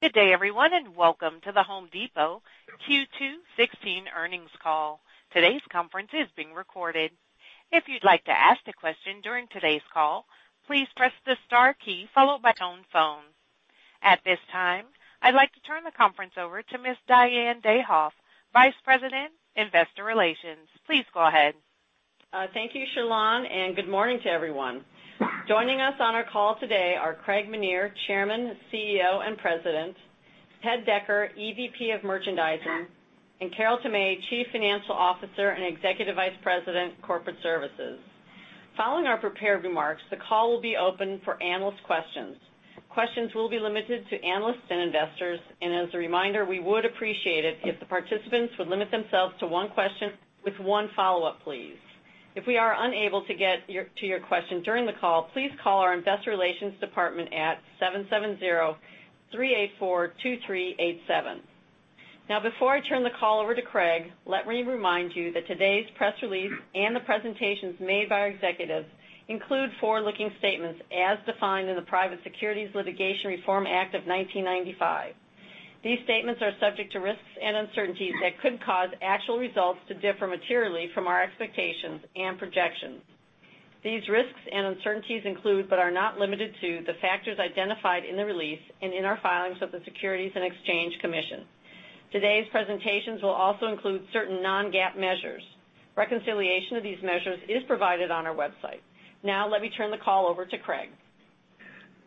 Good day, everyone, and welcome to The Home Depot Q2 2017 earnings call. Today's conference is being recorded. If you'd like to ask a question during today's call, please press the star key followed by your own phone. At this time, I'd like to turn the conference over to Ms. Diane Dayhoff, Vice President, Investor Relations. Please go ahead. Thank you, Shallon, and good morning to everyone. Joining us on our call today are Craig Menear, Chairman, CEO, and President, Ted Decker, EVP of Merchandising, and Carol Tomé, Chief Financial Officer and Executive Vice President, Corporate Services. Following our prepared remarks, the call will be open for analyst questions. Questions will be limited to analysts and investors, and as a reminder, we would appreciate it if the participants would limit themselves to one question with one follow-up, please. If we are unable to get to your question during the call, please call our investor relations department at 770-384-2387. Before I turn the call over to Craig, let me remind you that today's press release and the presentations made by our executives include forward-looking statements as defined in the Private Securities Litigation Reform Act of 1995. These statements are subject to risks and uncertainties that could cause actual results to differ materially from our expectations and projections. These risks and uncertainties include, but are not limited to, the factors identified in the release and in our filings with the Securities and Exchange Commission. Today's presentations will also include certain non-GAAP measures. Reconciliation of these measures is provided on our website. Let me turn the call over to Craig.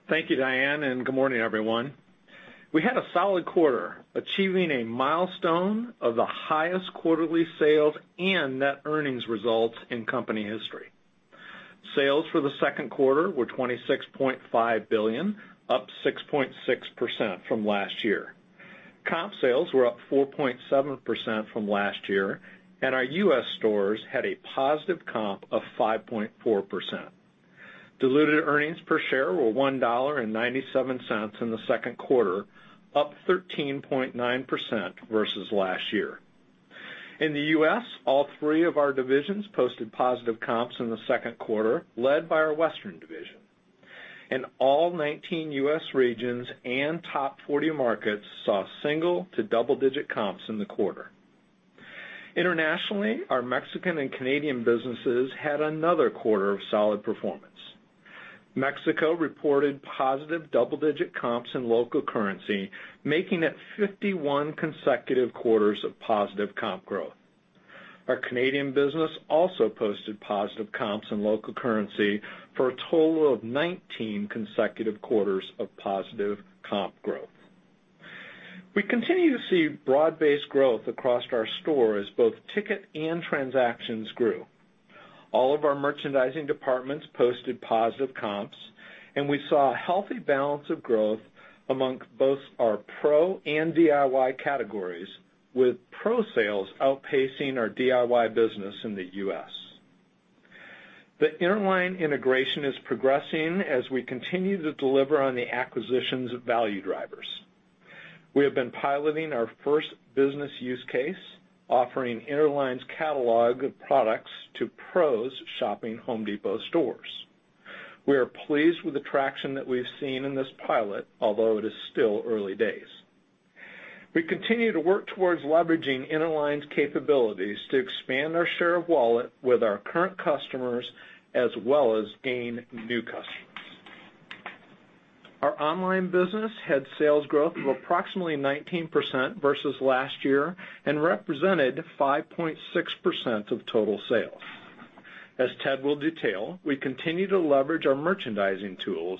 Thank you, Diane, and good morning, everyone. We had a solid quarter, achieving a milestone of the highest quarterly sales and net earnings results in company history. Sales for the second quarter were $26.5 billion, up 6.6% from last year. Comp sales were up 4.7% from last year, and our U.S. stores had a positive comp of 5.4%. Diluted earnings per share were $1.97 in the second quarter, up 13.9% versus last year. In the U.S., all three of our divisions posted positive comps in the second quarter, led by our Western division. All 19 U.S. regions and top 40 markets saw single to double-digit comps in the quarter. Internationally, our Mexican and Canadian businesses had another quarter of solid performance. Mexico reported positive double-digit comps in local currency, making it 51 consecutive quarters of positive comp growth. Our Canadian business also posted positive comps in local currency for a total of 19 consecutive quarters of positive comp growth. We continue to see broad-based growth across our stores, both ticket and transactions grew. All of our merchandising departments posted positive comps, and we saw a healthy balance of growth among both our pro and DIY categories, with pro sales outpacing our DIY business in the U.S. The Interline integration is progressing as we continue to deliver on the acquisitions of value drivers. We have been piloting our first business use case, offering Interline's catalog of products to pros shopping Home Depot stores. We are pleased with the traction that we've seen in this pilot, although it is still early days. We continue to work towards leveraging Interline's capabilities to expand our share of wallet with our current customers, as well as gain new customers. Our online business had sales growth of approximately 19% versus last year and represented 5.6% of total sales. As Ted will detail, we continue to leverage our merchandising tools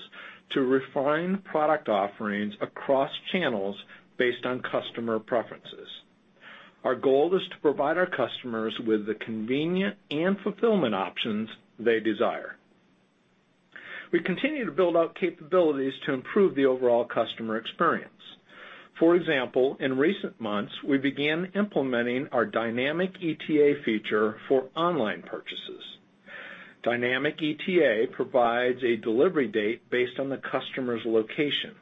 to refine product offerings across channels based on customer preferences. Our goal is to provide our customers with the convenient and fulfillment options they desire. We continue to build out capabilities to improve the overall customer experience. For example, in recent months, we began implementing our dynamic ETA feature for online purchases. Dynamic ETA provides a delivery date based on the customer's location.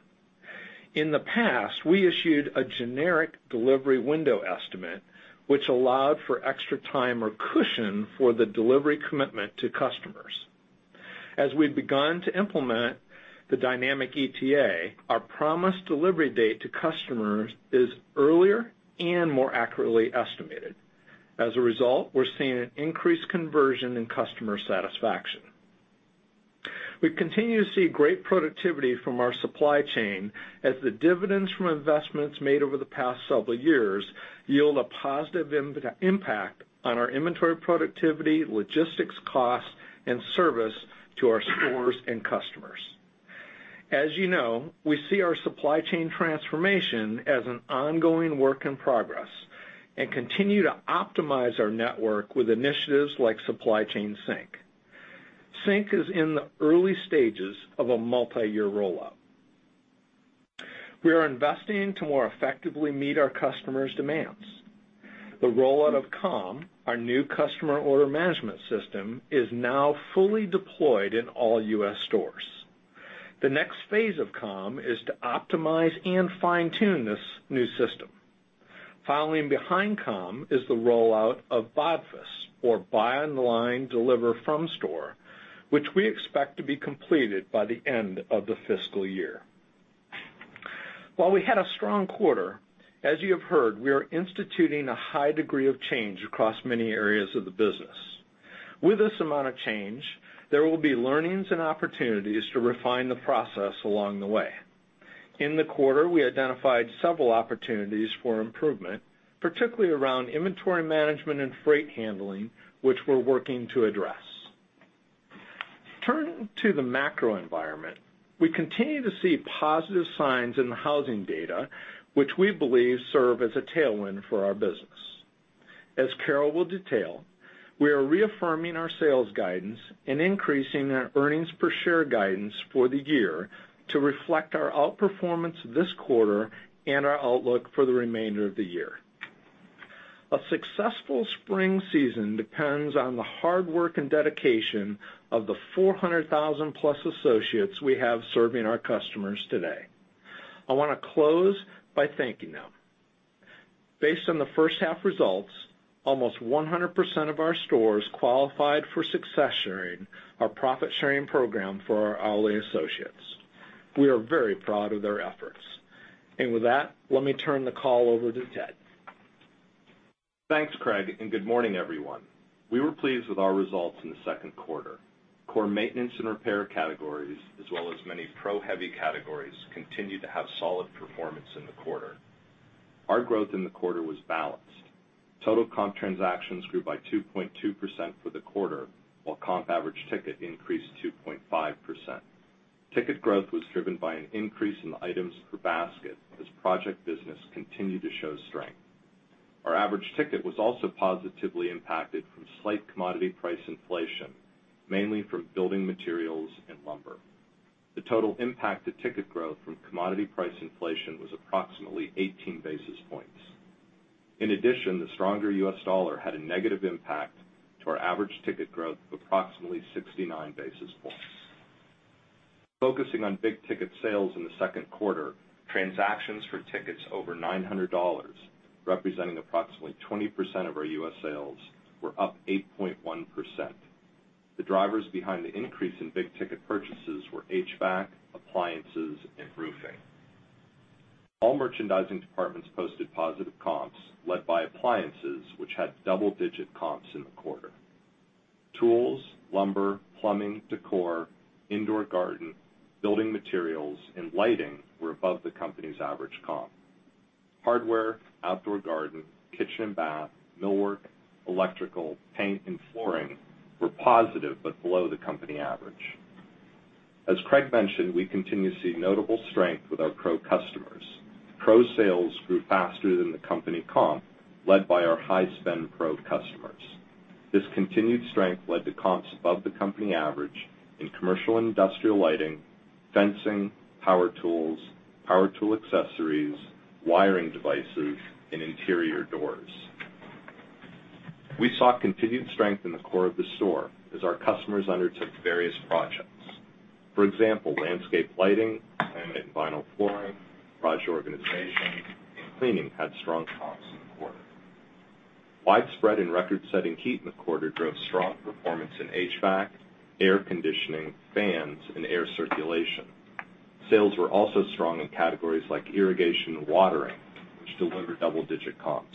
In the past, we issued a generic delivery window estimate, which allowed for extra time or cushion for the delivery commitment to customers. As we've begun to implement the dynamic ETA, our promised delivery date to customers is earlier and more accurately estimated. As a result, we're seeing an increased conversion in customer satisfaction. We continue to see great productivity from our supply chain as the dividends from investments made over the past several years yield a positive impact on our inventory productivity, logistics cost, and service to our stores and customers. As you know, we see our supply chain transformation as an ongoing work in progress and continue to optimize our network with initiatives like Supply Chain Sync. Sync is in the early stages of a multi-year rollout. We are investing to more effectively meet our customers' demands. The rollout of COM, our new customer order management system, is now fully deployed in all U.S. stores. The next phase of COM is to optimize and fine-tune this new system. Following behind COM is the rollout of BODFS, or Buy Online, Deliver From Store, which we expect to be completed by the end of the fiscal year. While we had a strong quarter, as you have heard, we are instituting a high degree of change across many areas of the business. With this amount of change, there will be learnings and opportunities to refine the process along the way. In the quarter, we identified several opportunities for improvement, particularly around inventory management and freight handling, which we're working to address. Turning to the macro environment, we continue to see positive signs in the housing data, which we believe serve as a tailwind for our business. As Carol will detail, we are reaffirming our sales guidance and increasing our earnings per share guidance for the year to reflect our outperformance this quarter and our outlook for the remainder of the year. A successful spring season depends on the hard work and dedication of the 400,000-plus associates we have serving our customers today. I want to close by thanking them. Based on the first half results, almost 100% of our stores qualified for Success Sharing, our profit-sharing program for our hourly associates. We are very proud of their efforts. With that, let me turn the call over to Ted. Thanks, Craig, and good morning, everyone. We were pleased with our results in the second quarter. Core maintenance and repair categories, as well as many pro heavy categories, continued to have solid performance in the quarter. Our growth in the quarter was balanced. Total comp transactions grew by 2.2% for the quarter, while comp average ticket increased 2.5%. Ticket growth was driven by an increase in the items per basket as project business continued to show strength. Our average ticket was also positively impacted from slight commodity price inflation, mainly from building materials and lumber. The total impact to ticket growth from commodity price inflation was approximately 18 basis points. In addition, the stronger U.S. dollar had a negative impact to our average ticket growth of approximately 69 basis points. Focusing on big ticket sales in the second quarter, transactions for tickets over $900, representing approximately 20% of our U.S. sales, were up 8.1%. The drivers behind the increase in big ticket purchases were HVAC, appliances, and roofing. All merchandising departments posted positive comps led by appliances, which had double-digit comps in the quarter. Tools, lumber, plumbing, decor, indoor garden, building materials, and lighting were above the company's average comp. Hardware, outdoor garden, kitchen and bath, millwork, electrical, paint, and flooring were positive but below the company average. As Craig mentioned, we continue to see notable strength with our pro customers. Pro sales grew faster than the company comp, led by our high-spend pro customers. This continued strength led to comps above the company average in commercial and industrial lighting, fencing, power tools, power tool accessories, wiring devices, and interior doors. We saw continued strength in the core of the store as our customers undertook various projects. For example, landscape lighting, laminate and vinyl flooring, garage organization, and cleaning had strong comps in the quarter. Widespread and record-setting heat in the quarter drove strong performance in HVAC, air conditioning, fans, and air circulation. Sales were also strong in categories like irrigation and watering, which delivered double-digit comps.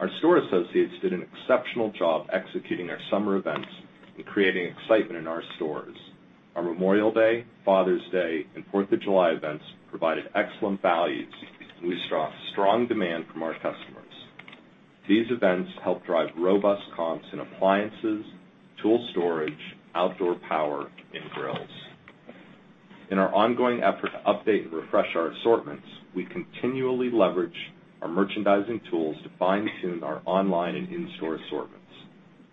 Our store associates did an exceptional job executing our summer events and creating excitement in our stores. Our Memorial Day, Father's Day, and Fourth of July events provided excellent values and we saw strong demand from our customers. These events helped drive robust comps in appliances, tool storage, outdoor power, and grills. In our ongoing effort to update and refresh our assortments, we continually leverage our merchandising tools to fine-tune our online and in-store assortments.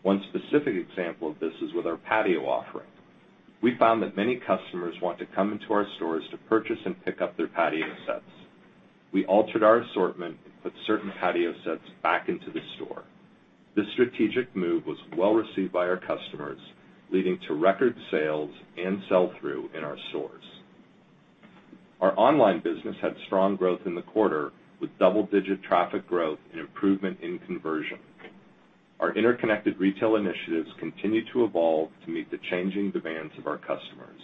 One specific example of this is with our patio offering. We found that many customers want to come into our stores to purchase and pick up their patio sets. We altered our assortment and put certain patio sets back into the store. This strategic move was well received by our customers, leading to record sales and sell-through in our stores. Our online business had strong growth in the quarter with double-digit traffic growth and improvement in conversion. Our interconnected retail initiatives continue to evolve to meet the changing demands of our customers.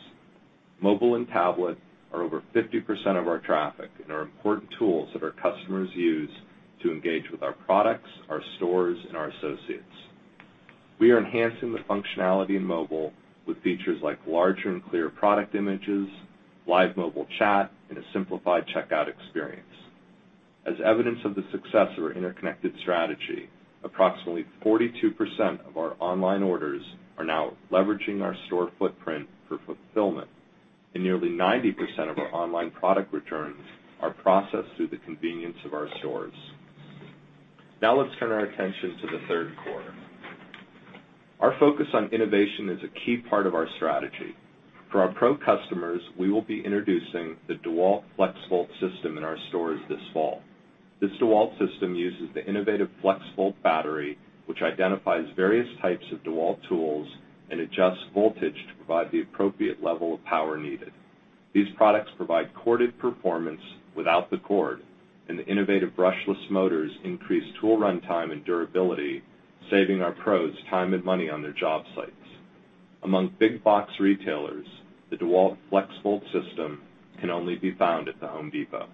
Mobile and tablet are over 50% of our traffic and are important tools that our customers use to engage with our products, our stores, and our associates. We are enhancing the functionality in mobile with features like larger and clearer product images, live mobile chat, and a simplified checkout experience. As evidence of the success of our interconnected strategy, approximately 42% of our online orders are now leveraging our store footprint for fulfillment, and nearly 90% of our online product returns are processed through the convenience of our stores. Let's turn our attention to the third quarter. Our focus on innovation is a key part of our strategy. For our pro customers, we will be introducing the DEWALT FLEXVOLT system in our stores this fall. This DEWALT system uses the innovative FLEXVOLT battery, which identifies various types of DEWALT tools and adjusts voltage to provide the appropriate level of power needed. These products provide corded performance without the cord, and the innovative brushless motors increase tool runtime and durability, saving our pros time and money on their job sites. Among big box retailers, the DEWALT FLEXVOLT system can only be found at The Home Depot.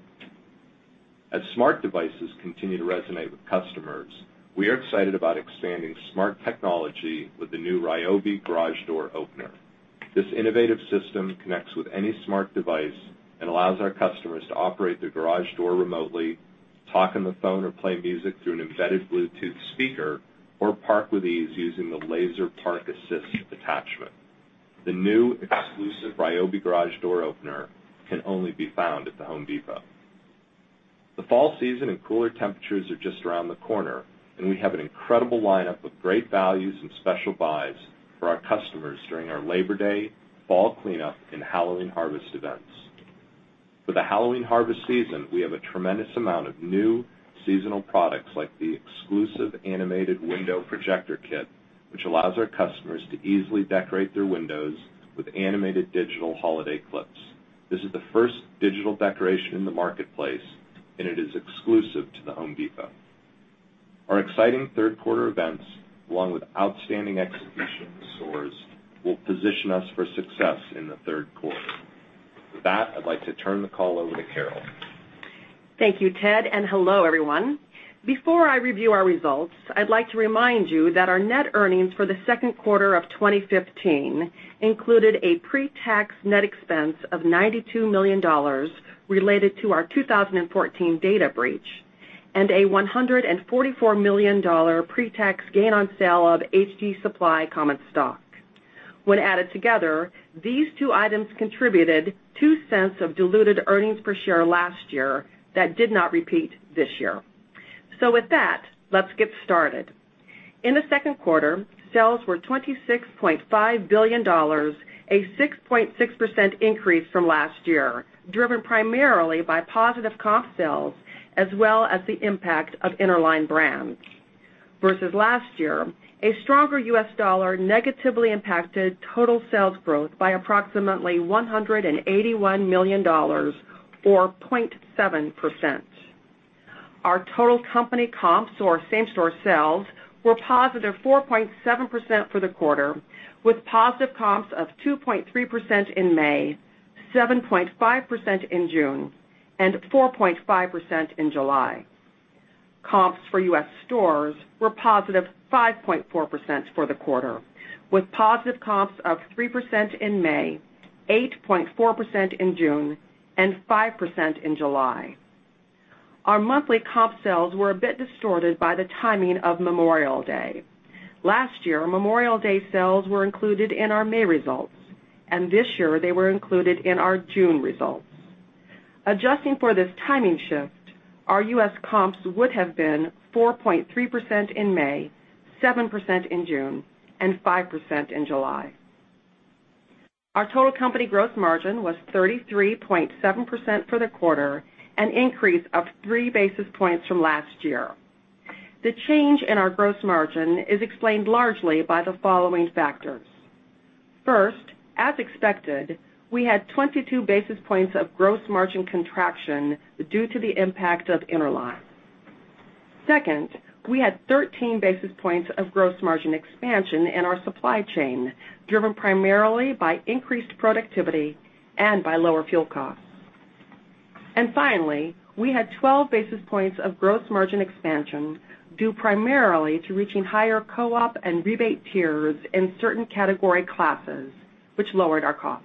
As smart devices continue to resonate with customers, we are excited about expanding smart technology with the new RYOBI garage door opener. This innovative system connects with any smart device and allows our customers to operate their garage door remotely, talk on the phone, or play music through an embedded Bluetooth speaker, or park with ease using the laser park assist attachment. The new exclusive RYOBI garage door opener can only be found at The Home Depot. The fall season and cooler temperatures are just around the corner, and we have an incredible lineup of great values and special buys for our customers during our Labor Day, fall cleanup, and Halloween harvest events. For the Halloween harvest season, we have a tremendous amount of new seasonal products, like the exclusive animated window projector kit, which allows our customers to easily decorate their windows with animated digital holiday clips. This is the first digital decoration in the marketplace, and it is exclusive to The Home Depot. Our exciting third quarter events, along with outstanding execution in stores, will position us for success in the third quarter. With that, I'd like to turn the call over to Carol. Thank you, Ted, and hello, everyone. Before I review our results, I'd like to remind you that our net earnings for the second quarter of 2015 included a pre-tax net expense of $92 million related to our 2014 data breach and a $144 million pre-tax gain on sale of HD Supply common stock. When added together, these two items contributed $0.02 of diluted earnings per share last year that did not repeat this year. With that, let's get started. In the second quarter, sales were $26.5 billion, a 6.6% increase from last year, driven primarily by positive comp sales as well as the impact of Interline Brands. Versus last year, a stronger U.S. dollar negatively impacted total sales growth by approximately $181 million, or 0.7%. Our total company comps, or same store sales, were positive 4.7% for the quarter, with positive comps of 2.3% in May, 7.5% in June, and 4.5% in July. Comps for U.S. stores were positive 5.4% for the quarter, with positive comps of 3% in May, 8.4% in June, and 5% in July. Our monthly comp sales were a bit distorted by the timing of Memorial Day. Last year, Memorial Day sales were included in our May results, and this year, they were included in our June results. Adjusting for this timing shift, our U.S. comps would have been 4.3% in May, 7% in June, and 5% in July. Our total company gross margin was 33.7% for the quarter, an increase of three basis points from last year. The change in our gross margin is explained largely by the following factors. First, as expected, we had 22 basis points of gross margin contraction due to the impact of Interline. Second, we had 13 basis points of gross margin expansion in our supply chain, driven primarily by increased productivity and by lower fuel costs. Finally, we had 12 basis points of gross margin expansion, due primarily to reaching higher co-op and rebate tiers in certain category classes, which lowered our cost.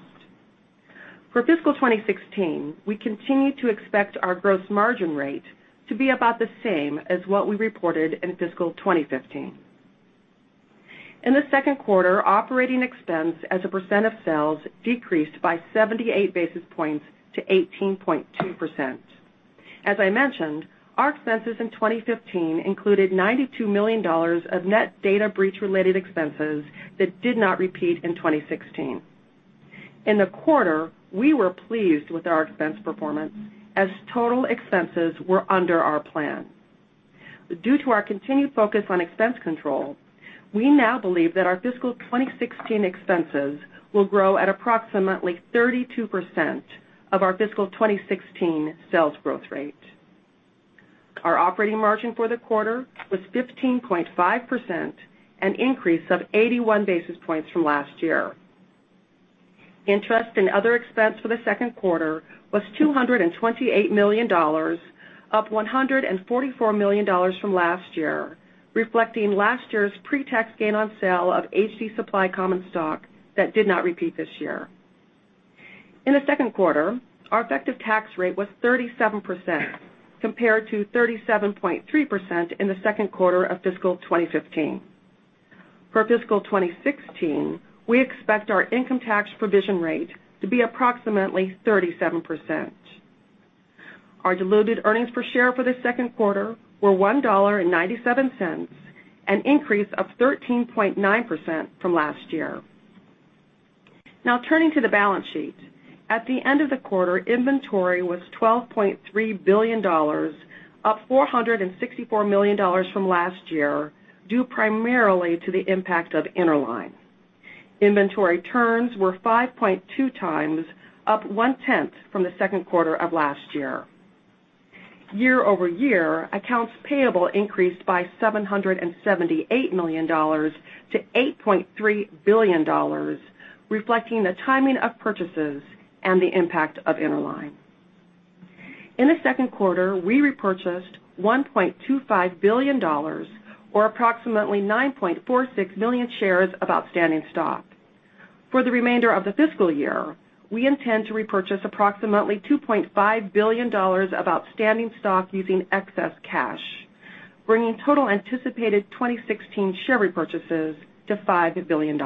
For fiscal 2016, we continue to expect our gross margin rate to be about the same as what we reported in fiscal 2015. In the second quarter, operating expense as a % of sales decreased by 78 basis points to 18.2%. As I mentioned, our expenses in 2015 included $92 million of net data breach related expenses that did not repeat in 2016. In the quarter, we were pleased with our expense performance, as total expenses were under our plan. Due to our continued focus on expense control, we now believe that our fiscal 2016 expenses will grow at approximately 32% of our fiscal 2016 sales growth rate. Our operating margin for the quarter was 15.5%, an increase of 81 basis points from last year. Interest and other expense for the second quarter was $228 million, up $144 million from last year, reflecting last year's pre-tax gain on sale of HD Supply common stock that did not repeat this year. In the second quarter, our effective tax rate was 37%, compared to 37.3% in the second quarter of fiscal 2015. For fiscal 2016, we expect our income tax provision rate to be approximately 37%. Our diluted earnings per share for the second quarter were $1.97, an increase of 13.9% from last year. Turning to the balance sheet. At the end of the quarter, inventory was $12.3 billion. Up $464 million from last year, due primarily to the impact of Interline. Inventory turns were 5.2 times, up 0.1 from the second quarter of last year. Year-over-year, accounts payable increased by $778 million to $8.3 billion, reflecting the timing of purchases and the impact of Interline. In the second quarter, we repurchased $1.25 billion or approximately 9.46 million shares of outstanding stock. For the remainder of the fiscal year, we intend to repurchase approximately $2.5 billion of outstanding stock using excess cash, bringing total anticipated 2016 share repurchases to $5 billion.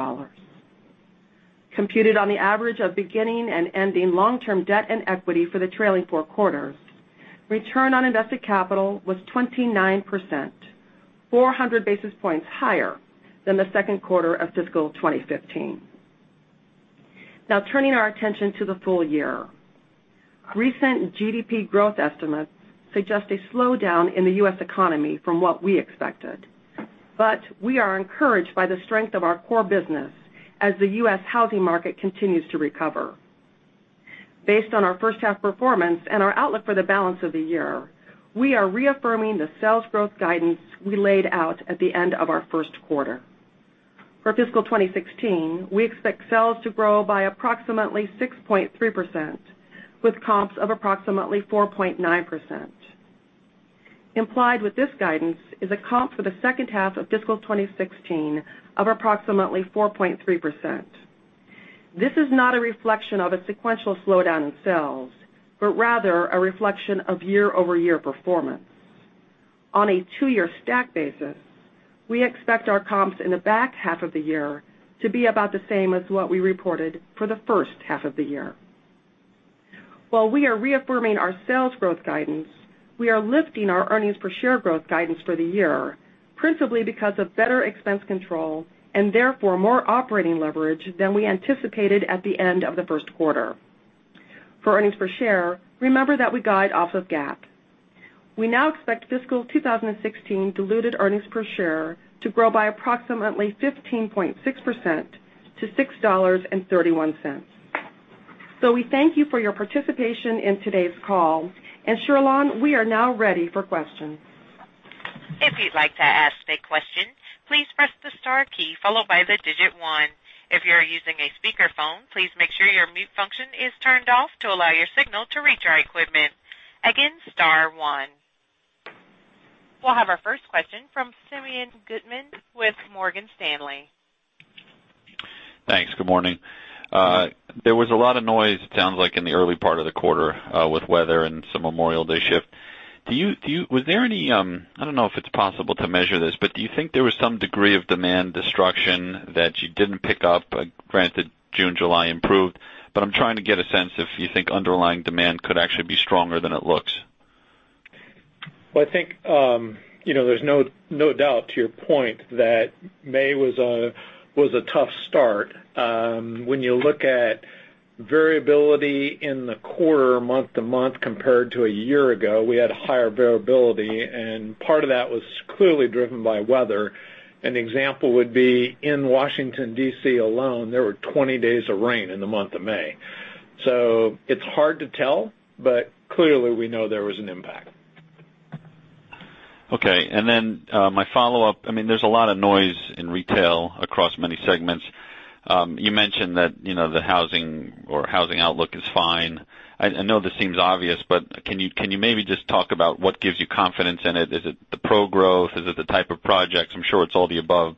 Computed on the average of beginning and ending long-term debt and equity for the trailing four quarters, return on invested capital was 29%, 400 basis points higher than the second quarter of fiscal 2015. Turning our attention to the full year. Recent GDP growth estimates suggest a slowdown in the U.S. economy from what we expected. We are encouraged by the strength of our core business as the U.S. housing market continues to recover. Based on our first half performance and our outlook for the balance of the year, we are reaffirming the sales growth guidance we laid out at the end of our first quarter. For fiscal 2016, we expect sales to grow by approximately 6.3%, with comps of approximately 4.9%. Implied with this guidance is a comp for the second half of fiscal 2016 of approximately 4.3%. This is not a reflection of a sequential slowdown in sales, but rather a reflection of year-over-year performance. On a two-year stack basis, we expect our comps in the back half of the year to be about the same as what we reported for the first half of the year. While we are reaffirming our sales growth guidance, we are lifting our earnings per share growth guidance for the year, principally because of better expense control and therefore more operating leverage than we anticipated at the end of the first quarter. For earnings per share, remember that we guide off of GAAP. We now expect fiscal 2016 diluted earnings per share to grow by approximately 15.6% to $6.31. We thank you for your participation in today's call. Sherlon, we are now ready for questions. If you'd like to ask a question, please press the star key followed by the digit 1. If you're using a speakerphone, please make sure your mute function is turned off to allow your signal to reach our equipment. Again, star 1. We'll have our first question from Simeon Gutman with Morgan Stanley. Thanks, good morning. There was a lot of noise, it sounds like in the early part of the quarter, with weather and some Memorial Day shift. Do you think there was some degree of demand destruction that you didn't pick up? Granted, June, July improved, I'm trying to get a sense if you think underlying demand could actually be stronger than it looks. Well, I think, there's no doubt to your point that May was a tough start. When you look at variability in the quarter month to month compared to a year ago, we had higher variability, part of that was clearly driven by weather. An example would be in Washington, D.C. alone, there were 20 days of rain in the month of May. It's hard to tell, clearly we know there was an impact. Okay. My follow-up, there's a lot of noise in retail across many segments. You mentioned that the housing outlook is fine. I know this seems obvious, can you maybe just talk about what gives you confidence in it? Is it the pro-growth? Is it the type of projects? I'm sure it's all the above,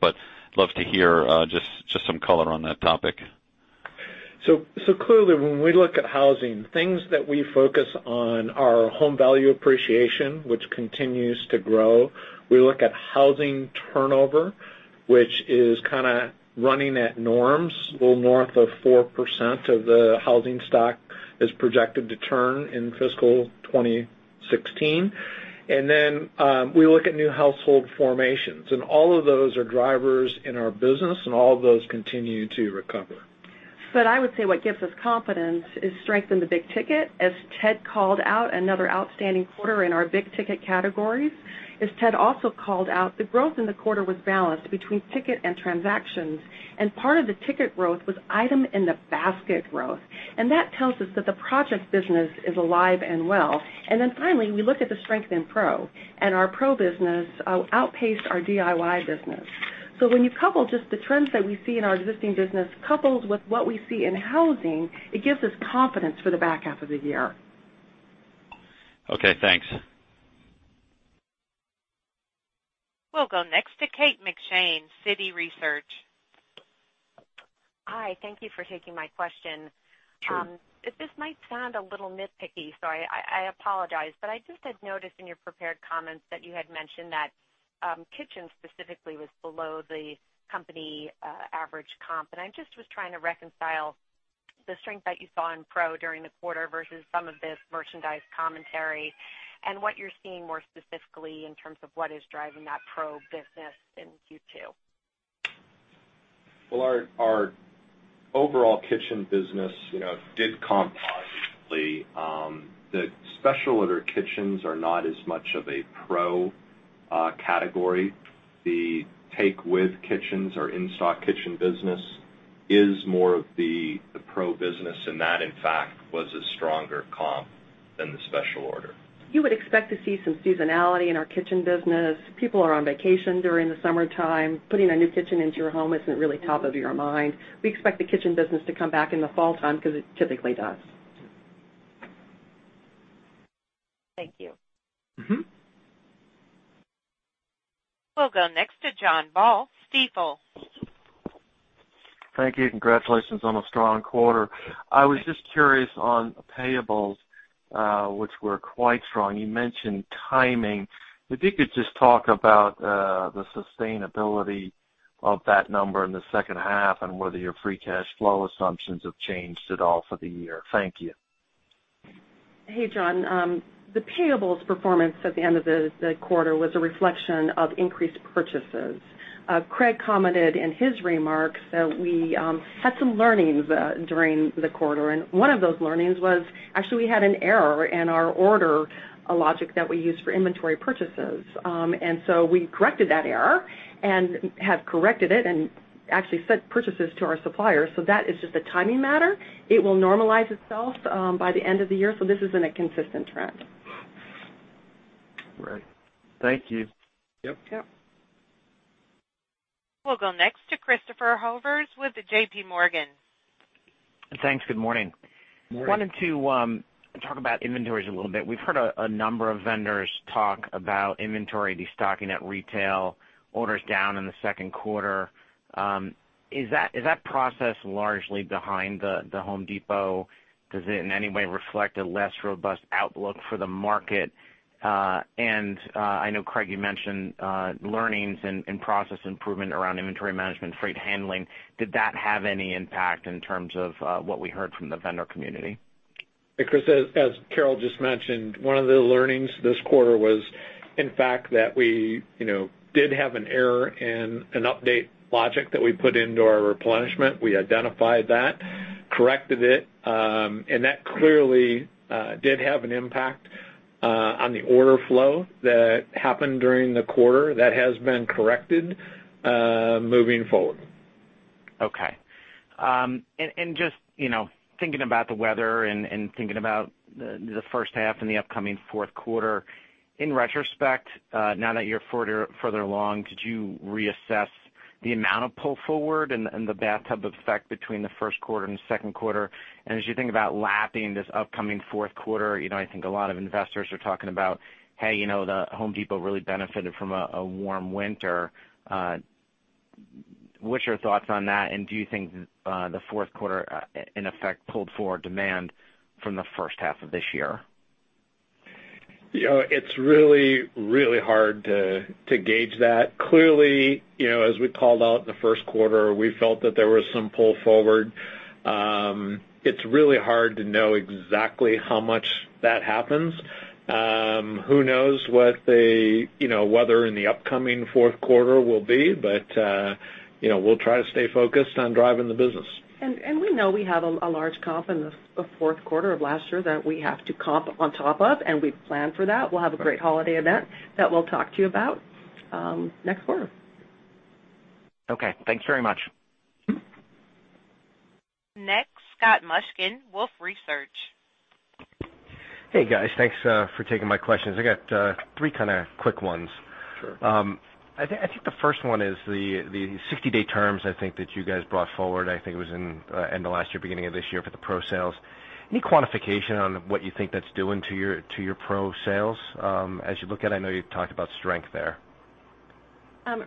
love to hear just some color on that topic. Clearly, when we look at housing, things that we focus on are home value appreciation, which continues to grow. We look at housing turnover, which is kind of running at norms. A little north of 4% of the housing stock is projected to turn in fiscal 2016. We look at new household formations. All of those are drivers in our business, and all of those continue to recover. I would say what gives us confidence is strength in the big ticket. As Ted called out, another outstanding quarter in our big ticket categories. As Ted also called out, the growth in the quarter was balanced between ticket and transactions, and part of the ticket growth was item in the basket growth. That tells us that the project business is alive and well. Finally, we look at the strength in pro, and our pro business outpaced our DIY business. When you couple just the trends that we see in our existing business, coupled with what we see in housing, it gives us confidence for the back half of the year. Okay, thanks. We'll go next to Kate McShane, Citi Research. Hi. Thank you for taking my question. Sure. This might sound a little nitpicky, so I apologize, but I just had noticed in your prepared comments that you had mentioned that kitchen specifically was below the company average comp, and I just was trying to reconcile the strength that you saw in pro during the quarter versus some of this merchandise commentary, and what you're seeing more specifically in terms of what is driving that pro business in Q2. Well, our overall kitchen business did comp positively. The special order kitchens are not as much of a pro category. The take-with kitchens or in-stock kitchen business is more of the pro business, and that in fact was a stronger comp than the special order. You would expect to see some seasonality in our kitchen business. People are on vacation during the summertime. Putting a new kitchen into your home isn't really top of your mind. We expect the kitchen business to come back in the fall time because it typically does. Thank you. We'll go next to John Baugh, Stifel. Thank you. Congratulations on a strong quarter. I was just curious on payables, which were quite strong. You mentioned timing. If you could just talk about the sustainability of that number in the second half and whether your free cash flow assumptions have changed at all for the year. Thank you. Hey, John. The payables performance at the end of the quarter was a reflection of increased purchases. Craig commented in his remarks that we had some learnings during the quarter, and one of those learnings was actually we had an error in our order logic that we use for inventory purchases. We corrected that error and have corrected it and actually sent purchases to our suppliers. That is just a timing matter. It will normalize itself by the end of the year. This isn't a consistent trend. Right. Thank you. Yep. Yep. We'll go next to Christopher Horvers with J.P. Morgan. Thanks. Good morning. Morning. Wanted to talk about inventories a little bit. We've heard a number of vendors talk about inventory destocking at retail, orders down in the second quarter. Is that process largely behind The Home Depot? Does it in any way reflect a less robust outlook for the market? I know, Craig, you mentioned learnings and process improvement around inventory management, freight handling. Did that have any impact in terms of what we heard from the vendor community? Hey, Chris, as Carol just mentioned, one of the learnings this quarter was, in fact, that we did have an error in an update logic that we put into our replenishment. We identified that, corrected it. That clearly did have an impact on the order flow that happened during the quarter. That has been corrected moving forward. Okay. Just thinking about the weather and thinking about the first half and the upcoming fourth quarter, in retrospect, now that you're further along, did you reassess the amount of pull forward and the bathtub effect between the first quarter and second quarter? As you think about lapping this upcoming fourth quarter, I think a lot of investors are talking about, "Hey, The Home Depot really benefited from a warm winter." What's your thoughts on that, and do you think the fourth quarter, in effect, pulled forward demand from the first half of this year? It's really hard to gauge that. Clearly, as we called out in the first quarter, we felt that there was some pull forward. It's really hard to know exactly how much that happens. Who knows what the weather in the upcoming fourth quarter will be, but we'll try to stay focused on driving the business. We know we have a large comp in the fourth quarter of last year that we have to comp on top of, and we plan for that. We'll have a great holiday event that we'll talk to you about next quarter. Okay, thanks very much. Next, Scott Mushkin, Wolfe Research. Hey, guys. Thanks for taking my questions. I got three quick ones. Sure. I think the first one is the 60-day terms, I think, that you guys brought forward, I think it was end of last year, beginning of this year for the pro sales. Any quantification on what you think that's doing to your pro sales as you look at it? I know you've talked about strength there.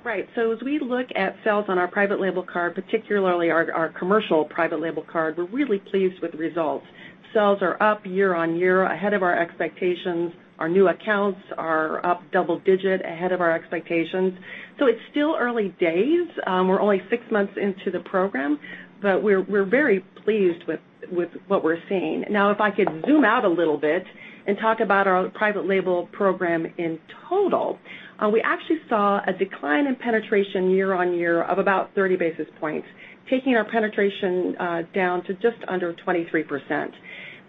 Right. As we look at sales on our private label card, particularly our commercial private label card, we're really pleased with the results. Sales are up year-on-year, ahead of our expectations. Our new accounts are up double digit, ahead of our expectations. It's still early days. We're only six months into the program, but we're very pleased with what we're seeing. Now, if I could zoom out a little bit and talk about our private label program in total. We actually saw a decline in penetration year-on-year of about 30 basis points, taking our penetration down to just under 23%.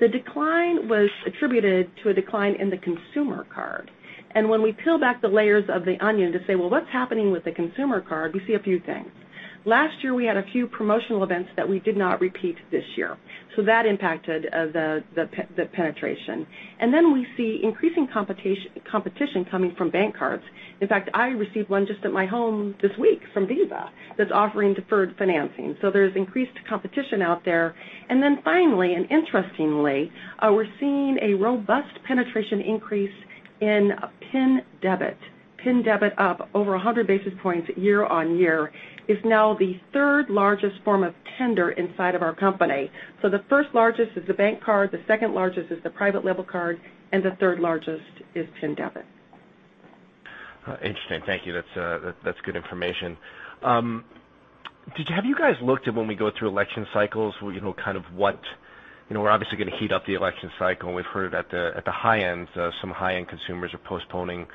The decline was attributed to a decline in the consumer card. When we peel back the layers of the onion to say, "Well, what's happening with the consumer card?" We see a few things. Last year, we had a few promotional events that we did not repeat this year, that impacted the penetration. We see increasing competition coming from bank cards. In fact, I received one just at my home this week from Visa that's offering deferred financing. There's increased competition out there. Finally, and interestingly, we're seeing a robust penetration increase in PIN debit. PIN debit up over 100 basis points year-on-year, is now the third largest form of tender inside of our company. The first largest is the bank card, the second largest is the private label card, and the third largest is PIN debit. Interesting. Thank you. That's good information. Have you guys looked at when we go through election cycles? We're obviously going to heat up the election cycle, and we've heard at the high end, some high-end consumers are postponing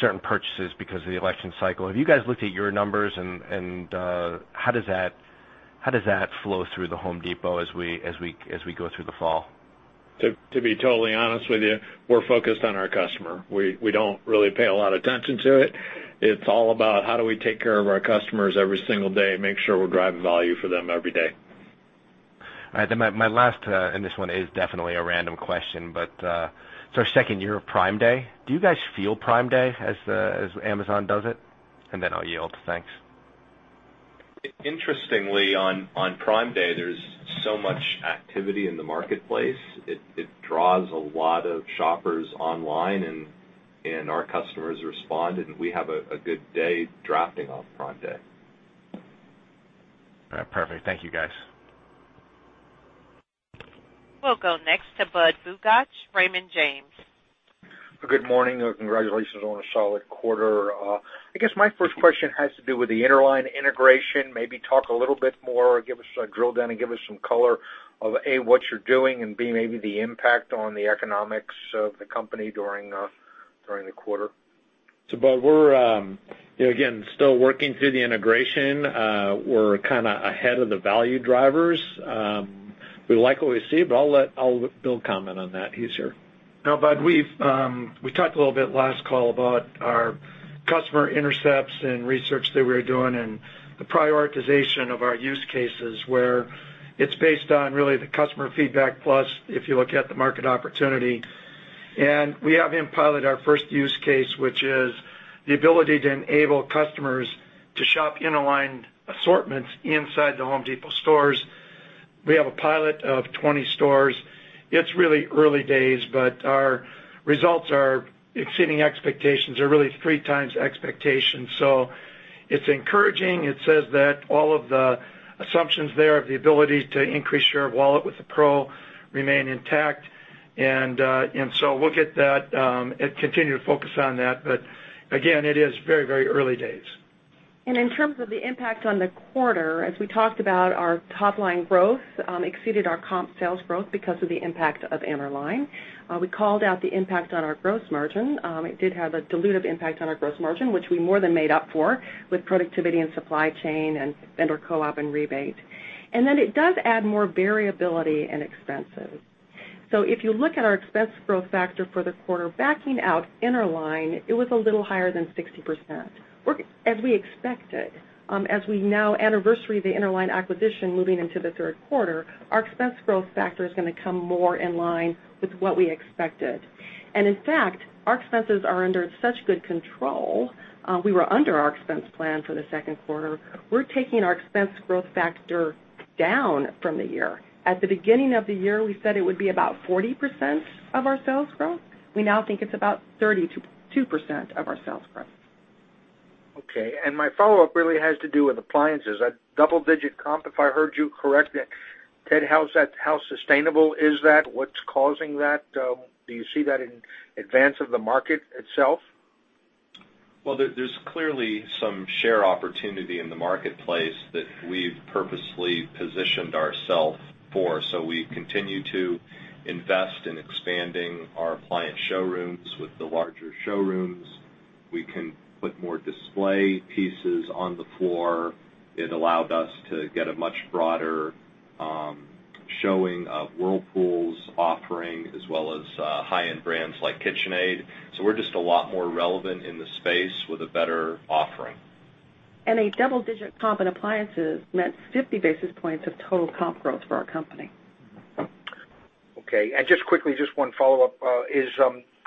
certain purchases because of the election cycle. Have you guys looked at your numbers, and how does that flow through The Home Depot as we go through the fall? To be totally honest with you, we're focused on our customer. We don't really pay a lot of attention to it. It's all about how do we take care of our customers every single day, make sure we're driving value for them every day. All right. My last, this one is definitely a random question, it's our second year of Prime Day. Do you guys feel Prime Day as Amazon does it? I'll yield. Thanks. Interestingly, on Prime Day, there's so much activity in the marketplace. It draws a lot of shoppers online, and our customers respond, and we have a good day drafting off Prime Day. All right, perfect. Thank you, guys. We'll go next to Budd Bugatch, Raymond James. Good morning. Congratulations on a solid quarter. I guess my first question has to do with the Interline integration. Maybe talk a little bit more, or drill down and give us some color of, A, what you're doing, and B, maybe the impact on the economics of the company during the quarter. Budd, we're, again, still working through the integration. We're kind of ahead of the value drivers. We like what we see. I'll let Bill comment on that. He's here. Bud, we talked a little bit last call about our customer intercepts and research that we're doing and the prioritization of our use cases, where it's based on really the customer feedback, plus if you look at the market opportunity. We have in pilot our first use case, which is the ability to enable customers to shop Interline assortments inside The Home Depot stores. We have a pilot of 20 stores. It's really early days. Our results are exceeding expectations, or really three times expectations. It's encouraging. It says that all of the assumptions there of the ability to increase share of wallet with the Pro remain intact. We'll get that and continue to focus on that. Again, it is very early days. In terms of the impact on the quarter, as we talked about, our top-line growth exceeded our comp sales growth because of the impact of Interline. We called out the impact on our gross margin. It did have a dilutive impact on our gross margin, which we more than made up for with productivity and supply chain and vendor co-op and rebate. It does add more variability and expenses. If you look at our expense growth factor for the quarter, backing out Interline, it was a little higher than 60%. As we expected, as we now anniversary the Interline acquisition moving into the third quarter, our expense growth factor is going to come more in line with what we expected. In fact, our expenses are under such good control, we were under our expense plan for the second quarter. We're taking our expense growth factor down from the year. At the beginning of the year, we said it would be about 40% of our sales growth. We now think it's about 32% of our sales growth. Okay. My follow-up really has to do with appliances. A double-digit comp, if I heard you correctly. Ted, how sustainable is that? What's causing that? Do you see that in advance of the market itself? Well, there's clearly some share opportunity in the marketplace that we've purposely positioned ourselves for. We continue to invest in expanding our appliance showrooms. With the larger showrooms, we can put more display pieces on the floor. It allowed us to get a much broader showing of Whirlpool's offering, as well as high-end brands like KitchenAid. We're just a lot more relevant in the space with a better offering. A double-digit comp in appliances meant 50 basis points of total comp growth for our company. Okay. Just quickly, just one follow-up.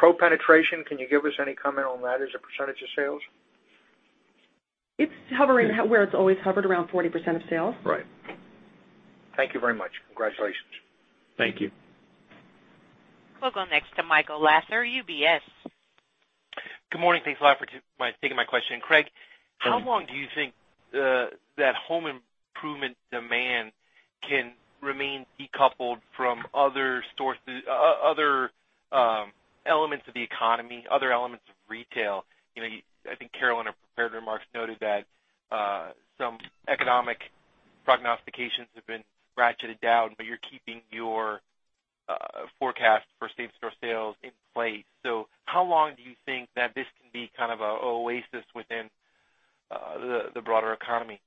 Pro penetration, can you give us any comment on that as a percentage of sales? It's hovering where it's always hovered, around 40% of sales. Right. Thank you very much. Congratulations. Thank you. We'll go next to Michael Lasser, UBS. Good morning. Thanks a lot for taking my question. Craig, Hi How long do you think that home improvement demand can remain decoupled from other elements of the economy, other elements of retail? I think Carol in her prepared remarks noted that some economic prognostications have been ratcheted down, but you're keeping your forecast for same-store sales in place. How long do you think that this can be kind of an oasis within the broader economy?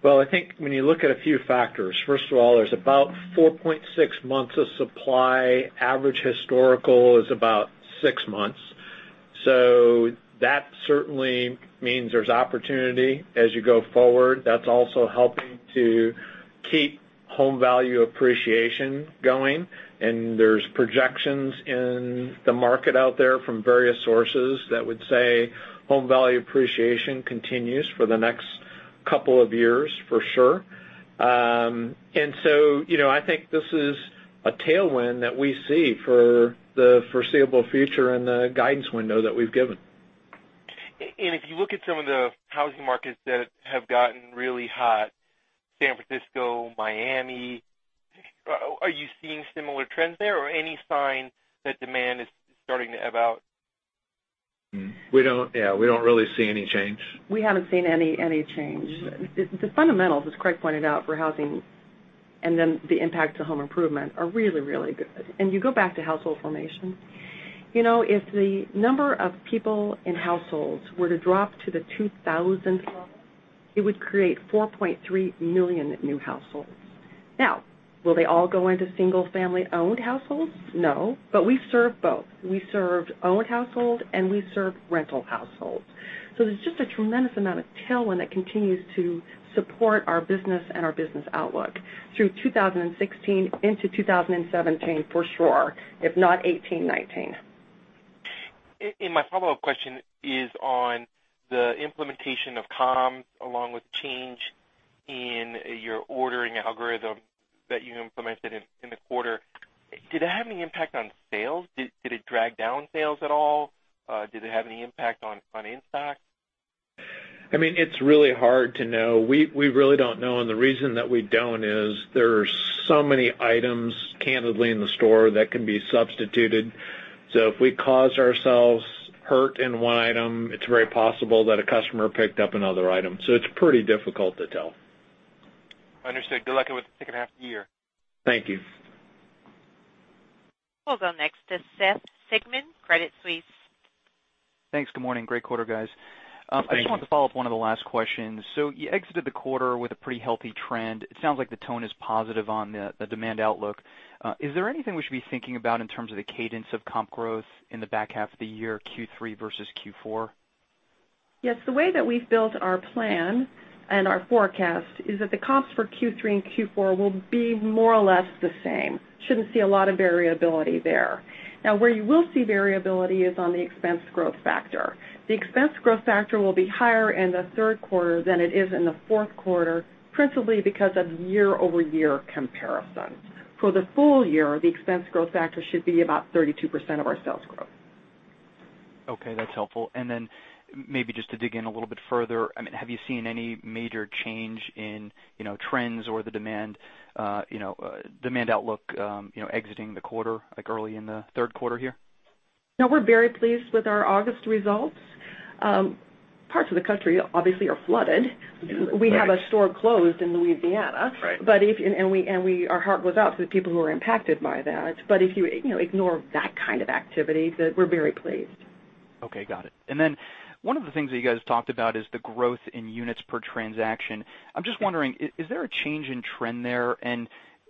Well, I think when you look at a few factors, first of all, there's about 4.6 months of supply. Average historical is about six months. That certainly means there's opportunity as you go forward. That's also helping to keep home value appreciation going, and there's projections in the market out there from various sources that would say home value appreciation continues for the next couple of years for sure. I think this is a tailwind that we see for the foreseeable future in the guidance window that we've given. If you look at some of the housing markets that have gotten really hot, San Francisco, Miami, are you seeing similar trends there or any sign that demand is starting to ebb out? We don't, we don't really see any change. We haven't seen any change. The fundamentals, as Craig pointed out, for housing and then the impact to home improvement are really, really good. You go back to household formation. If the number of people in households were to drop to the 2000 level, it would create 4.3 million new households. Will they all go into single-family-owned households? No, but we serve both. We serve owned household, and we serve rental households. There's just a tremendous amount of tailwind that continues to support our business and our business outlook through 2016 into 2017 for sure, if not 2018 and 2019. My follow-up question is on the implementation of COM along with change in your ordering algorithm that you implemented in the quarter. Did it have any impact on sales? Did it drag down sales at all? Did it have any impact on in-stock? It's really hard to know. We really don't know, the reason that we don't is there are so many items candidly in the store that can be substituted. If we cause ourselves hurt in one item, it's very possible that a customer picked up another item. It's pretty difficult to tell. Understood. Good luck with the second half of the year. Thank you. We'll go next to Seth Sigman, Credit Suisse. Thanks. Good morning. Great quarter, guys. Thank you. I just wanted to follow up one of the last questions. You exited the quarter with a pretty healthy trend. It sounds like the tone is positive on the demand outlook. Is there anything we should be thinking about in terms of the cadence of comp growth in the back half of the year, Q3 versus Q4? Yes. The way that we've built our plan and our forecast is that the comps for Q3 and Q4 will be more or less the same. Shouldn't see a lot of variability there. Where you will see variability is on the expense growth factor. The expense growth factor will be higher in the third quarter than it is in the fourth quarter, principally because of year-over-year comparisons. For the full year, the expense growth factor should be about 32% of our sales growth. Okay, that's helpful. Maybe just to dig in a little bit further, have you seen any major change in trends or the demand outlook exiting the quarter, like early in the third quarter here? We're very pleased with our August results. Parts of the country obviously are flooded. Right. We have a store closed in Louisiana. Right. Our heart goes out to the people who are impacted by that. If you ignore that kind of activity, we're very pleased. Okay, got it. One of the things that you guys talked about is the growth in units per transaction. I'm just wondering, is there a change in trend there?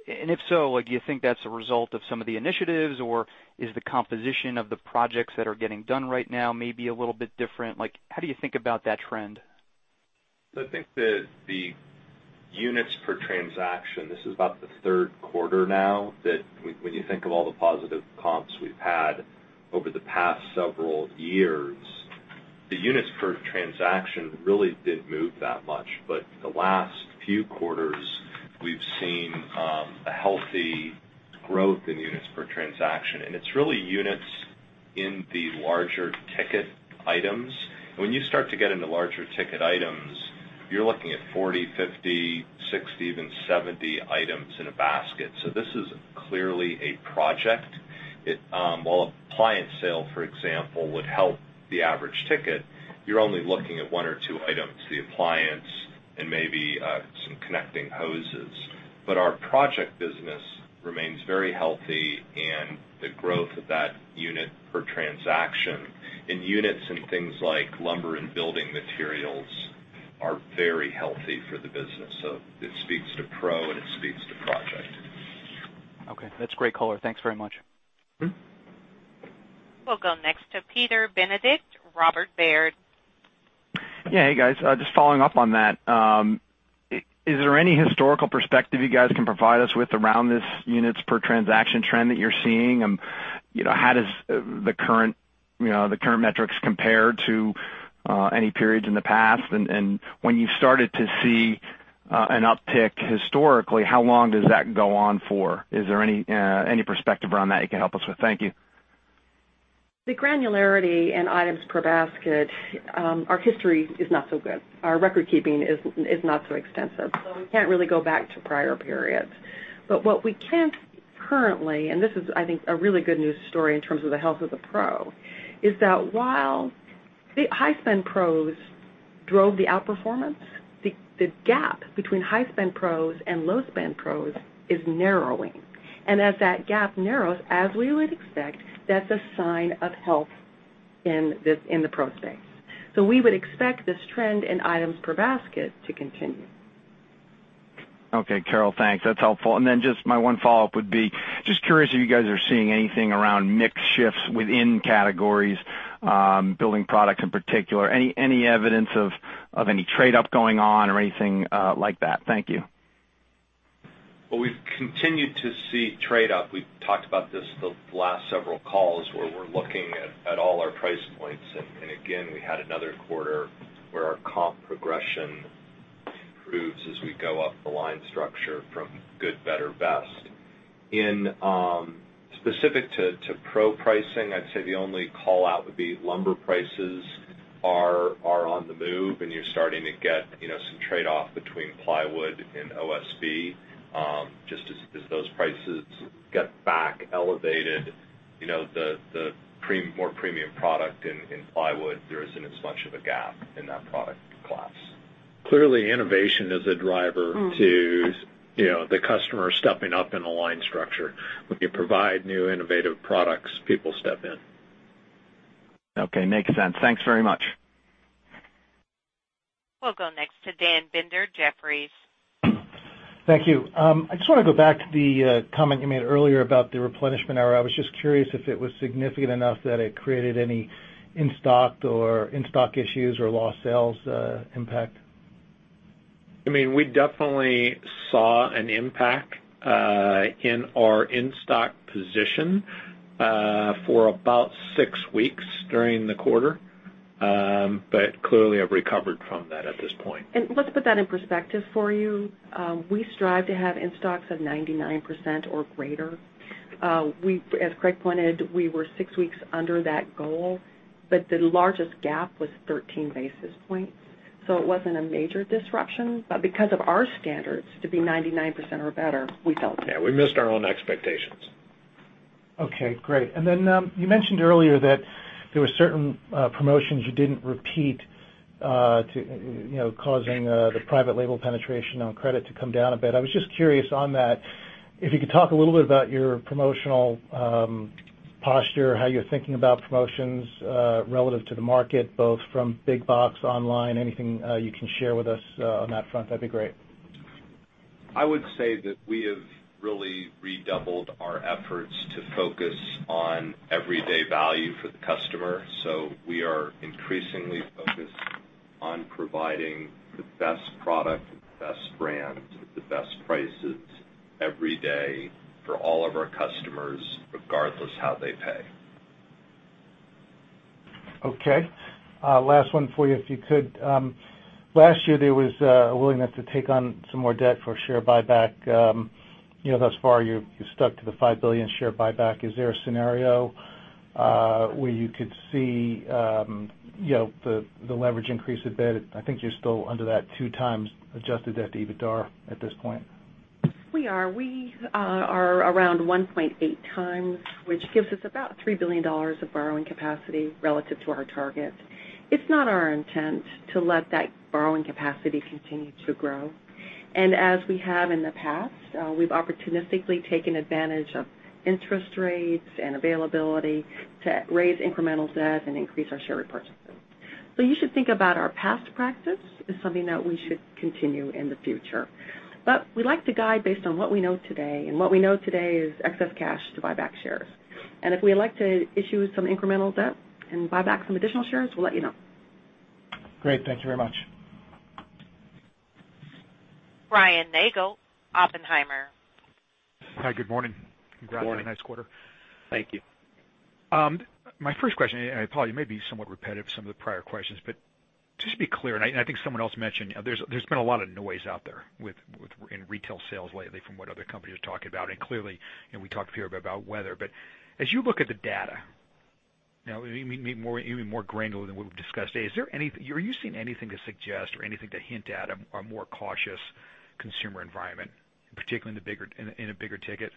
If so, do you think that's a result of some of the initiatives, or is the composition of the projects that are getting done right now maybe a little bit different? How do you think about that trend? I think that the units per transaction, this is about the third quarter now that when you think of all the positive comps we've had over the past several years, the units per transaction really didn't move that much. The last few quarters, we've seen a healthy growth in units per transaction, and it's really units in the larger ticket items. When you start to get into larger ticket items, you're looking at 40, 50, 60, even 70 items in a basket. This is clearly a project. While appliance sale, for example, would help the average ticket, you're only looking at one or two items, the appliance and maybe some connecting hoses. Our project business remains very healthy, and the growth of that unit per transaction in units and things like lumber and building materials are very healthy for the business. It speaks to pro, and it speaks to project. Okay. That's great color. Thanks very much. We'll go next to Peter Benedict, Robert W. Baird. Hey, guys. Just following up on that. Is there any historical perspective you guys can provide us with around this units per transaction trend that you're seeing? How does the current metrics compare to any periods in the past? When you started to see an uptick historically, how long does that go on for? Is there any perspective around that you can help us with? Thank you. The granularity in items per basket. Our history is not so good. Our record-keeping is not so extensive, we can't really go back to prior periods. What we can see currently, and this is, I think, a really good news story in terms of the health of the pro, is that while the high-spend pros drove the outperformance, the gap between high-spend pros and low-spend pros is narrowing. As that gap narrows, as we would expect, that's a sign of health in the pro space. We would expect this trend in items per basket to continue. Okay, Carol. Thanks. That's helpful. Just my one follow-up would be, just curious if you guys are seeing anything around mix shifts within categories, building products in particular. Any evidence of any trade-up going on or anything like that? Thank you. Well, Ted, we've continued to see trade-up. We've talked about this the last several calls where we're looking at all our price points. Again, we had another quarter where our comp progression improves as we go up the line structure from good, better, best. Specific to pro pricing, I'd say the only call-out would be lumber prices are on the move, you're starting to get some trade-off between plywood and OSB. Just as those prices get back elevated, the more premium product in plywood, there isn't as much of a gap in that product class. Clearly, innovation is a driver to the customer stepping up in the line structure. When you provide new innovative products, people step in. Okay, makes sense. Thanks very much. We'll go next to Dan Binder, Jefferies. Thank you. I just want to go back to the comment you made earlier about the replenishment error. I was just curious if it was significant enough that it created any in-stock issues or lost sales impact. We definitely saw an impact in our in-stock position for about six weeks during the quarter, clearly have recovered from that at this point. Let's put that in perspective for you. We strive to have in-stocks of 99% or greater. As Craig pointed, we were six weeks under that goal, the largest gap was 13 basis points, it wasn't a major disruption. Because of our standards to be 99% or better, we felt it. Yeah, we missed our own expectations. Okay, great. You mentioned earlier that there were certain promotions you didn't repeat, causing the private label penetration on credit to come down a bit. I was just curious on that, if you could talk a little bit about your promotional posture, how you're thinking about promotions relative to the market, both from big box, online, anything you can share with us on that front, that'd be great. I would say that we have really redoubled our efforts to focus on everyday value for the customer. We are increasingly focused on providing the best product, the best brand, the best prices every day for all of our customers, regardless how they pay. Okay. Last one for you, if you could. Last year, there was a willingness to take on some more debt for share buyback. Thus far, you've stuck to the $5 billion share buyback. Is there a scenario where you could see the leverage increase a bit? I think you're still under that 2x adjusted debt to EBITDA at this point. We are. We are around 1.8x, which gives us about $3 billion of borrowing capacity relative to our target. It's not our intent to let that borrowing capacity continue to grow. As we have in the past, we've opportunistically taken advantage of interest rates and availability to raise incremental debt and increase our share repurchase. You should think about our past practice as something that we should continue in the future. We like to guide based on what we know today, and what we know today is excess cash to buy back shares. If we elect to issue some incremental debt and buy back some additional shares, we'll let you know. Great. Thank you very much. Brian Nagel, Oppenheimer. Hi, good morning. Good morning. Congrats on a nice quarter. Thank you. My first question, it probably may be somewhat repetitive of some of the prior questions, just to be clear, I think someone else mentioned, there's been a lot of noise out there in retail sales lately from what other companies are talking about, and clearly, we talked here about weather. As you look at the data, maybe even more granular than what we've discussed today, are you seeing anything to suggest or anything to hint at a more cautious consumer environment, particularly in a bigger ticket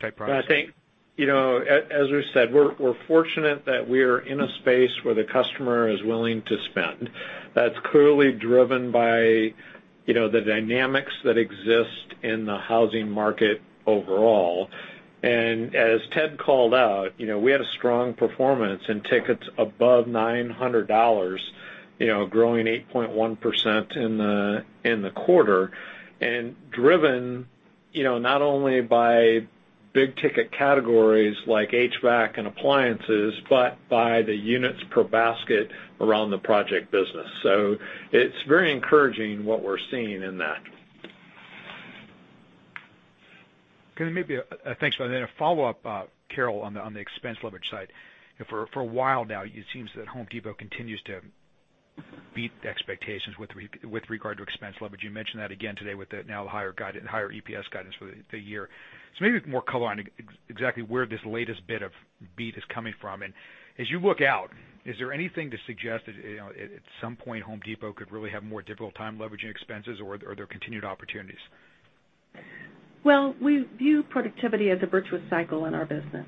type product? As we said, we're fortunate that we're in a space where the customer is willing to spend. That's clearly driven by the dynamics that exist in the housing market overall. As Ted called out, we had a strong performance in tickets above $900, growing 8.1% in the quarter, and driven not only by big-ticket categories like HVAC and appliances, but by the units per basket around the project business. It's very encouraging what we're seeing in that. Thanks. Then a follow-up, Carol, on the expense leverage side. For a while now, it seems that Home Depot continues to beat the expectations with regard to expense leverage. You mentioned that again today with the now higher EPS guidance for the year. Maybe more color on exactly where this latest bit of beat is coming from. As you look out, is there anything to suggest that at some point Home Depot could really have a more difficult time leveraging expenses, or are there continued opportunities? Well, we view productivity as a virtuous cycle in our business.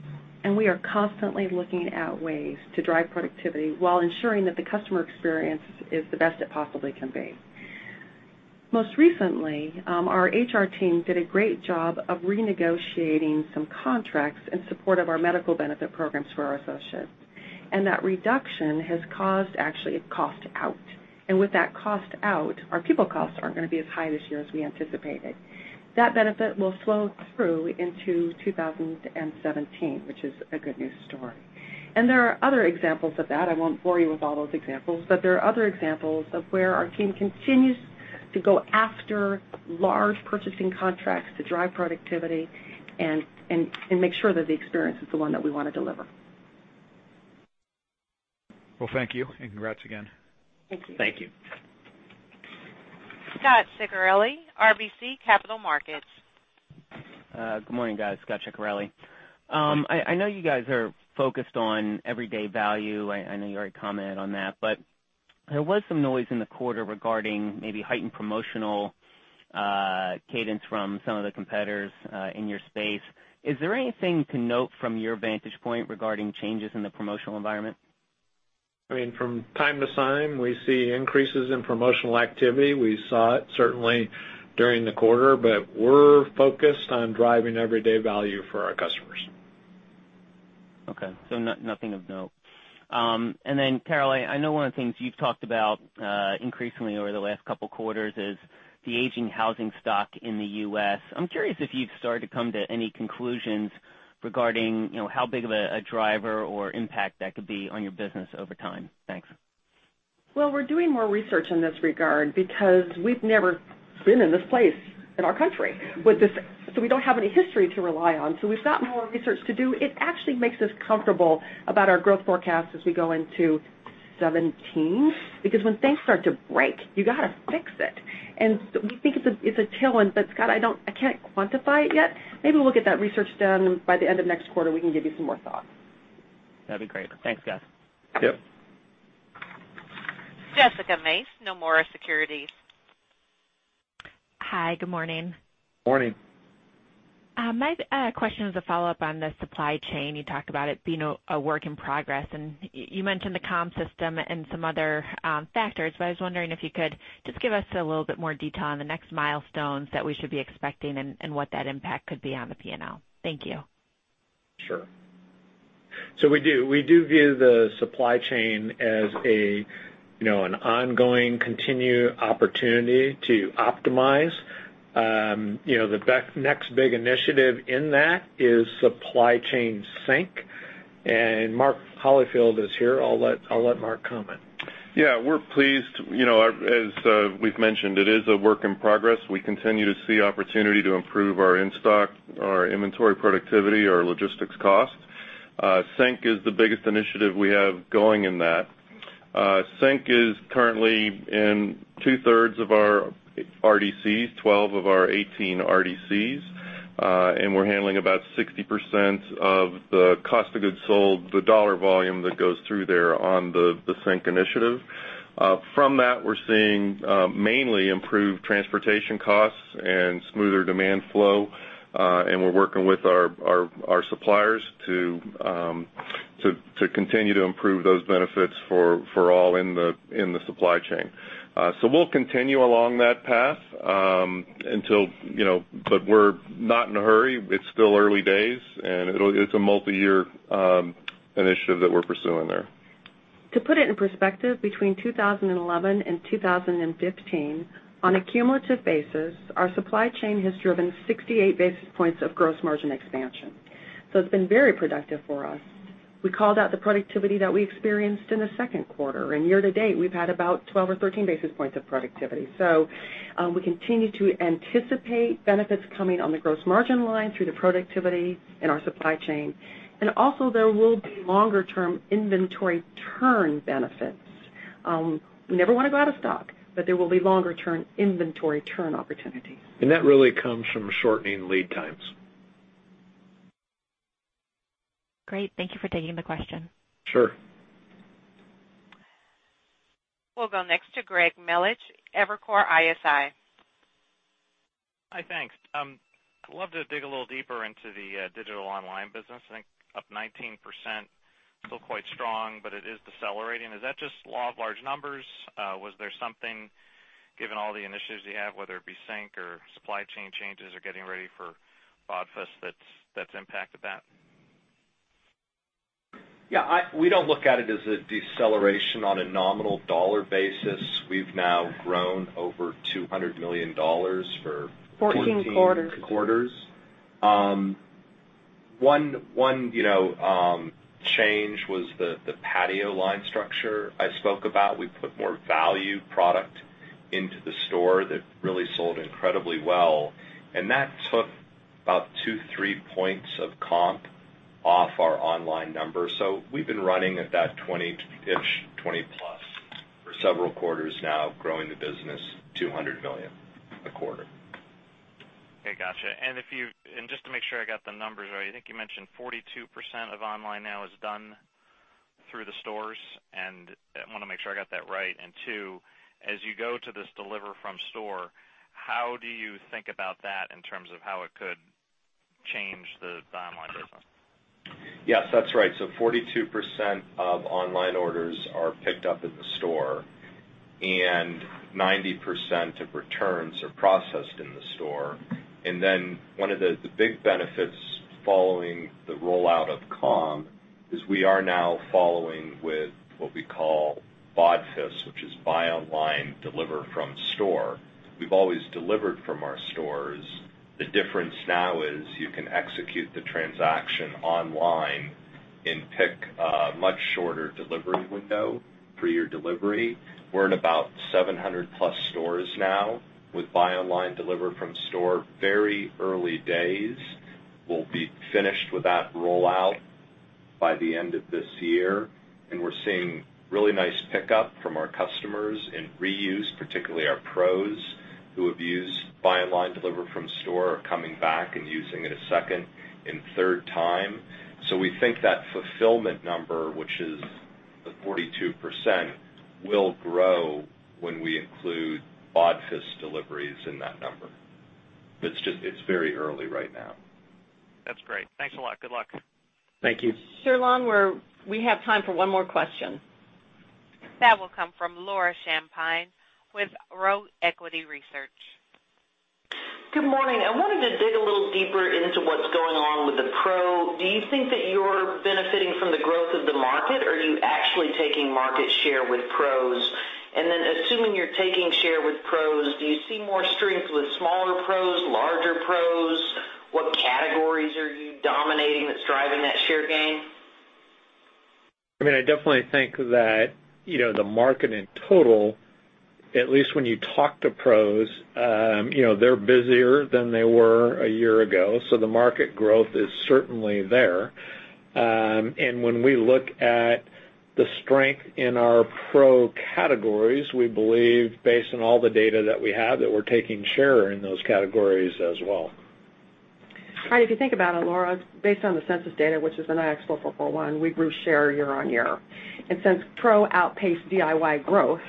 We are constantly looking at ways to drive productivity while ensuring that the customer experience is the best it possibly can be. Most recently, our HR team did a great job of renegotiating some contracts in support of our medical benefit programs for our associates. That reduction has caused actually a cost out. With that cost out, our people costs aren't going to be as high this year as we anticipated. That benefit will flow through into 2017, which is a good news story. There are other examples of that. I won't bore you with all those examples, but there are other examples of where our team continues to go after large purchasing contracts to drive productivity and make sure that the experience is the one that we want to deliver. Well, thank you, and congrats again. Thank you. Thank you. Scot Ciccarelli, RBC Capital Markets. Good morning, guys. Scot Ciccarelli. I know you guys are focused on everyday value. I know you already commented on that, but there was some noise in the quarter regarding maybe heightened promotional cadence from some of the competitors in your space. Is there anything to note from your vantage point regarding changes in the promotional environment? From time to time, we see increases in promotional activity. We saw it certainly during the quarter, but we're focused on driving everyday value for our customers. Okay. Nothing of note. Carol, I know one of the things you've talked about increasingly over the last couple quarters is the aging housing stock in the U.S. I'm curious if you've started to come to any conclusions regarding how big of a driver or impact that could be on your business over time. Thanks. Well, we're doing more research in this regard because we've never been in this place in our country with this, so we don't have any history to rely on. We've got more research to do. It actually makes us comfortable about our growth forecast as we go into 2017, because when things start to break, you got to fix it. We think it's a challenge, but Scot, I can't quantify it yet. Maybe we'll get that research done by the end of next quarter, we can give you some more thoughts. That'd be great. Thanks, guys. Yep. Jessica Mace, Nomura Securities. Hi, good morning. Morning. My question is a follow-up on the supply chain. You talked about it being a work in progress, and you mentioned the COM system and some other factors, but I was wondering if you could just give us a little bit more detail on the next milestones that we should be expecting and what that impact could be on the P&L. Thank you. Sure. We do view the supply chain as an ongoing continued opportunity to optimize. The next big initiative in that is Supply Chain Sync. Mark Holifield is here. I'll let Mark comment. We're pleased. As we've mentioned, it is a work in progress. We continue to see opportunity to improve our in-stock, our inventory productivity, our logistics cost. Sync is the biggest initiative we have going in that. Sync is currently in two-thirds of our RDCs, 12 of our 18 RDCs. We're handling about 60% of the cost of goods sold, the dollar volume that goes through there on the Sync initiative. From that, we're seeing mainly improved transportation costs and smoother demand flow. We're working with our suppliers to continue to improve those benefits for all in the supply chain. We'll continue along that path, but we're not in a hurry. It's still early days, and it's a multi-year initiative that we're pursuing there. To put it in perspective, between 2011 and 2015, on a cumulative basis, our supply chain has driven 68 basis points of gross margin expansion. It's been very productive for us. We called out the productivity that we experienced in the second quarter. Year to date, we've had about 12 or 13 basis points of productivity. We continue to anticipate benefits coming on the gross margin line through the productivity in our supply chain. Also, there will be longer-term inventory turn benefits. We never want to go out of stock, but there will be longer-term inventory turn opportunities. That really comes from shortening lead times. Great. Thank you for taking the question. Sure. We'll go next to Greg Melich, Evercore ISI. Hi, thanks. I'd love to dig a little deeper into the digital online business. I think up 19%, still quite strong, but it is decelerating. Is that just law of large numbers? Was there something, given all the initiatives you have, whether it be sync or supply chain changes or getting ready for BODFS that's impacted that? Yeah, we don't look at it as a deceleration on a nominal dollar basis. We've now grown over $200 million for. 14 quarters. 14 quarters. One change was the patio line structure I spoke about. We put more value product into the store that really sold incredibly well, and that took about two, three points of comp off our online numbers. We've been running at that 20-ish, 20-plus for several quarters now, growing the business $200 million a quarter. Okay, got you. Just to make sure I got the numbers right, I think you mentioned 42% of online now is done through the stores, and I want to make sure I got that right. Two, as you go to this deliver from store, how do you think about that in terms of how it could change the online business? Yes, that's right. 42% of online orders are picked up in the store, and 90% of returns are processed in the store. One of the big benefits following the rollout of COM is we are now following with what we call BODFS, which is Buy Online Deliver From Store. We've always delivered from our stores. The difference now is you can execute the transaction online and pick a much shorter delivery window for your delivery. We're at about 700-plus stores now with Buy Online Deliver From Store. Very early days. We'll be finished with that rollout by the end of this year, and we're seeing really nice pickup from our customers in reuse, particularly our pros who have used Buy Online Deliver From Store are coming back and using it a second and third time. We think that fulfillment number, which is the 42%, will grow when we include BODFS deliveries in that number. It's very early right now. That's great. Thanks a lot. Good luck. Thank you. Sherlon, we have time for one more question. That will come from Laura Champine with Roe Equity Research. Good morning. I wanted to dig a little deeper into what's going on with the pro. Do you think that you're benefiting from the growth of the market, or are you actually taking market share with pros? Assuming you're taking share with pros, do you see more strength with smaller pros, larger pros? What categories are you dominating that's driving that share gain? I definitely think that the market in total, at least when you talk to pros, they're busier than they were a year ago. The market growth is certainly there. When we look at the strength in our pro categories, we believe, based on all the data that we have, that we're taking share in those categories as well. Right. If you think about it, Laura, based on the census data, which is NAICS 4441, we grew share year-on-year. Since pro outpaced DIY growth,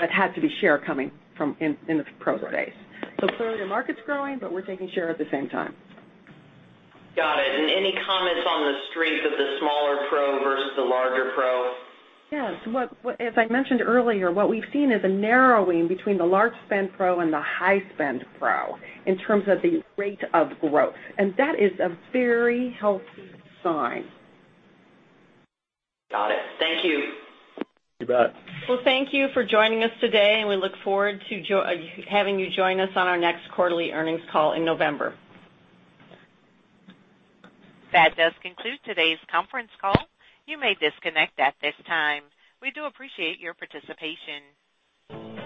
that had to be share coming from in the pro space. Clearly, the market's growing, we're taking share at the same time. Got it. Any comments on the strength of the smaller pro versus the larger pro? Yes. As I mentioned earlier, what we've seen is a narrowing between the large spend pro and the high spend pro in terms of the rate of growth. That is a very healthy sign. Got it. Thank you. You bet. Well, thank you for joining us today, and we look forward to having you join us on our next quarterly earnings call in November. That does conclude today's conference call. You may disconnect at this time. We do appreciate your participation.